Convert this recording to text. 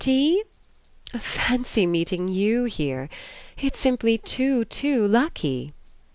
Tea ? Fancy meeting you here ! It's simply too, too lucky!"